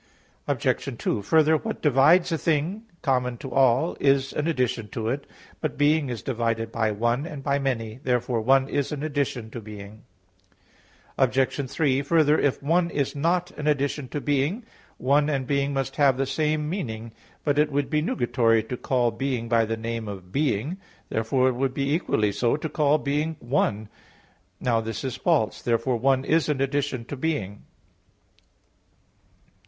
Obj. 2: Further, what divides a thing common to all, is an addition to it. But "being" is divided by "one" and by "many." Therefore "one" is an addition to "being." Obj. 3: Further, if "one" is not an addition to "being," "one" and "being" must have the same meaning. But it would be nugatory to call "being" by the name of "being"; therefore it would be equally so to call being "one." Now this is false. Therefore "one" is an addition to "being."